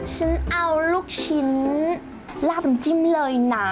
ฉันเอาลูกชิ้นลาบน้ำจิ้มเลยนะ